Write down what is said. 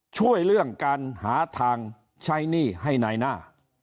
ช่วยเรื่องการหาทางใช้หนี้ให้นายหน้า